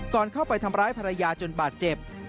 เข้าไปทำร้ายภรรยาจนบาดเจ็บ